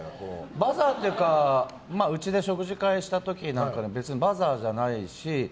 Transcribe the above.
バザーというかうちで食事会した時なんかに別にバザーじゃないし。